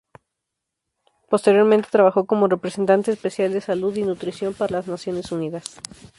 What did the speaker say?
Posteriormente trabajó como Representante Especial de Salud y Nutrición para las Naciones Unidas.